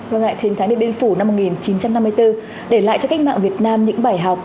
vâng ạ trên tháng đêm biên phủ năm một nghìn chín trăm năm mươi bốn để lại cho cách mạng việt nam những bài học